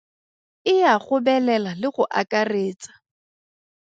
E a gobelela le go akaretsa.